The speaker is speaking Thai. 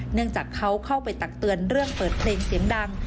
เนื่องจากเขาเข้าไปตักเตือนเรื่องเปิดเพลงเสียงดัง